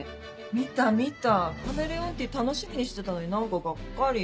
見た見たカメレオンティー楽しみにしてたのに何かガッカリ。